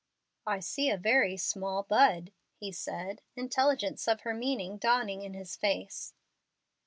"I see a very small bud," he said, intelligence of her meaning dawning in his face.